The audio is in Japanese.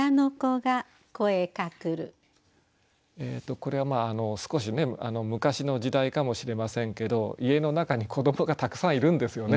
これは少し昔の時代かもしれませんけど家の中に子どもがたくさんいるんですよね。